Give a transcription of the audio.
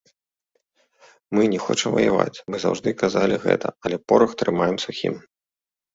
Мы не хочам ваяваць, мы заўжды казалі гэта, але порах трымаем сухім.